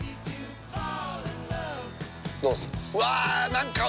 どうすか？